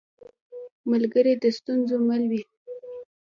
ملګری د ستونزو مل وي